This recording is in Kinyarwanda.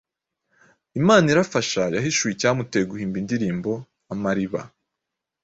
Imanirafasha yahishuye icyamuteye guhimba indirimbo “Amariba”